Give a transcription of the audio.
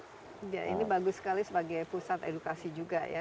iya ini bagus sekali sebagai pusat edukasi juga ya